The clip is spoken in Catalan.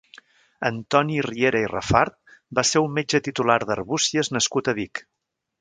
Antoni Riera i Refart va ser un metge titular d'Arbúcies nascut a Vic.